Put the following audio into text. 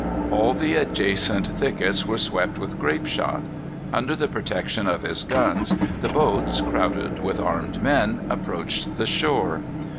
All the adjacent thickets were swept with grape shot. Under the protection of his guns, the boats, crowded with armed men, approached the shore.